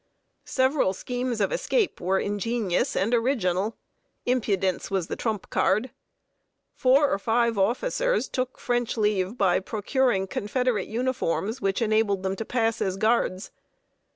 Several schemes of escape were ingenious and original. Impudence was the trump card. Four or five officers took French leave, by procuring Confederate uniforms, which enabled them to pass the guards.